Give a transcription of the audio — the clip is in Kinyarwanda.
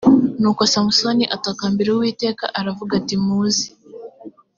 nuko samusoni atakambira uwiteka aravuga ati muze